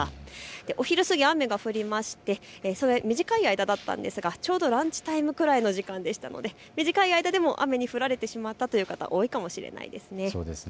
お昼過ぎ、雨が降りまして短い間だったんですがちょうどランチタイムぐらいの時間でしたので短い間でも雨に降られてしまったという方、多いかもしれませんね。